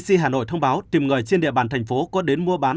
cụ thể cdc hà nội thông báo tìm người trên địa bàn thành phố có đến mua bán